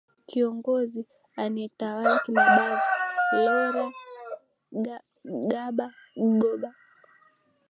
kiongozi anaetawala kimabavu lora gbagbo